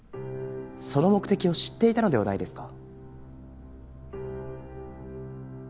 その目的を知っていたのではないですか？